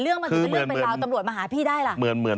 เรื่องมันถึงเลือกเป็นราวตำรวจมหาพี่ได้ล่ะ